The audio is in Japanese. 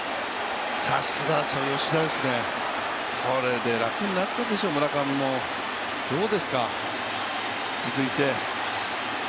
さすが吉田ですね、これで楽になったでしょう、村上も、どうですか？